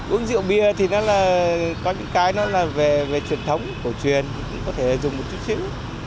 uống rượu bia thì nó là có những cái đó là về truyền thống cổ truyền có thể dùng một chút chữ